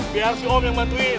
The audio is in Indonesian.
biar sih om yang bantuin